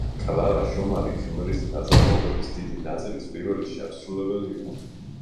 კლარა შუმანი ქმრის ნაწარმოებების დიდი ნაწილის პირველი შემსრულებელი იყო.